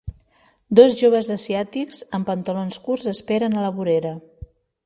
Dos joves asiàtics en pantalons curts esperen a la vorera.